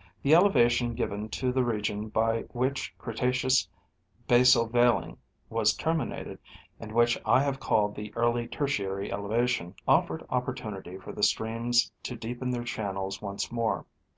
— The elevation given to the region by which Cretaceous basele veiling was terminated, and which I have called the early Tertiary elevation, offered oppor tunity for the streams to deepen their channels once more.